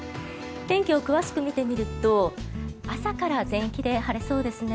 天気を詳しく見てみると朝から全域で晴れそうですね。